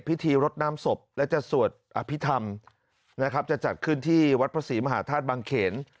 พิธีรดน้ำศพและจะสวดอภิษฐรรมนะครับจะจัดขึ้นที่วัดพระศรีมหาธาตุบังเขน